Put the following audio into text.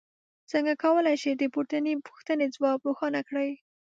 څنګه کولی شئ د پورتنۍ پوښتنې ځواب روښانه کړئ.